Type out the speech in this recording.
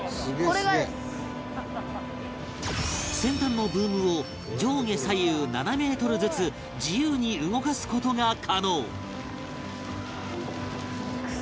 先端のブームを上下左右７メートルずつ自由に動かす事が可能